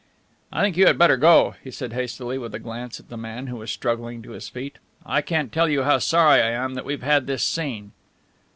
"I think you had better go," he said hastily, with a glance at the man who was struggling to his feet. "I can't tell you how sorry I am that we've had this scene."